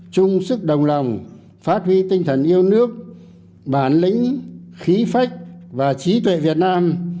chung sức đồng lòng phát huy tinh thần yêu nước bản lĩnh khí phách và trí tuệ việt nam